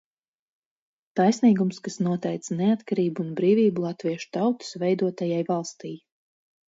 Taisnīgums, kas noteica neatkarību un brīvību latviešu tautas veidotajai valstij.